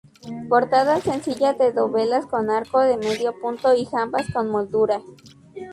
Portada sencilla de dovelas con arco de medio punto y jambas con moldura.